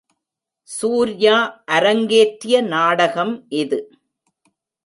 சூர்யா அரங்கேற்றிய நாடகம் இது!